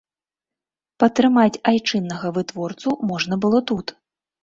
Падтрымаць айчыннага вытворцу можна было тут.